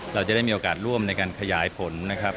เราจะได้มีโอกาสร่วมในการขยายผลนะครับ